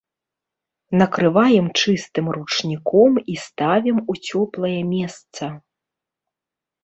Накрываем чыстым ручніком і ставім у цёплае месца.